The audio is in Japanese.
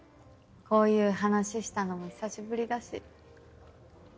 こういう話したのも久しぶりだし。